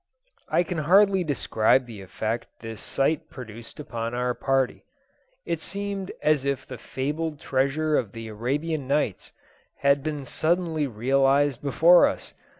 I can hardly describe the effect this sight produced upon our party. It seemed as if the fabled treasure of the Arabian Nights had been suddenly realised before us.